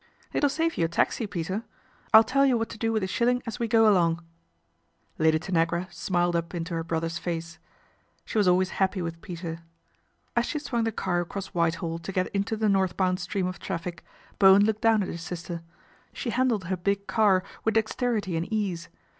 " It'll save you a taxi, Peter. I'll tell you what to do with the shilling as we go along." Lady Tanagra smiled up into her brother's face.: She was always happy with Peter. As she swung the car across Whitehall to get into the north bound stream of traffic, Bowen looked down at his sister. She handled her big cai with dexterity and ease.